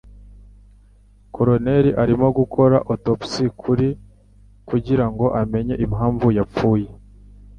Coroner arimo gukora autopsie kuri kugirango amenye impamvu yapfuye.